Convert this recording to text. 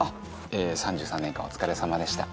３３年間お疲れさまでした。